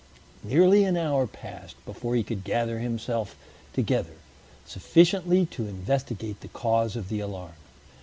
Nearly an hour passed before he could gather himself together sufficiently to investigate the cause of the alarm.